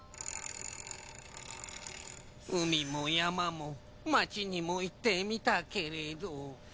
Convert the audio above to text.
うみもやまもまちにもいってみたけれど。